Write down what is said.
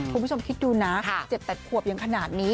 คุณผู้ชมคิดดูนะ๗๘ขวบยังขนาดนี้